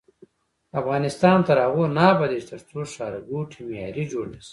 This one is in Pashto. افغانستان تر هغو نه ابادیږي، ترڅو ښارګوټي معیاري جوړ نشي.